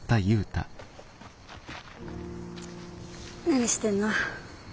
何してんの？